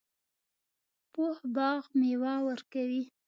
پوخ باغ میوه ورکوي